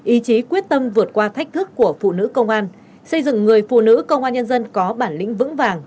ý chí quyết tâm vượt qua thách thức của phụ nữ công an xây dựng người phụ nữ công an nhân dân có bản lĩnh vững vàng